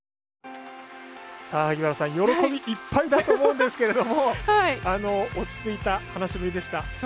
萩原さん喜びいっぱいだと思うんですけれども落ち着いた話しぶりでした。